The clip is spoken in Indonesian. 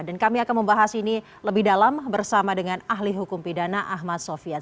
dan kami akan membahas ini lebih dalam bersama dengan ahli hukum pidana ahmad sofian